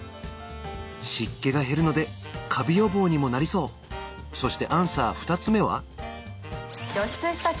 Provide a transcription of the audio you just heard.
湿気が減るのでカビ予防にもなりそうそしてアンサー２つ目は？